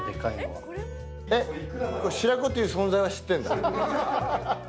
白子という存在は知ってんだ。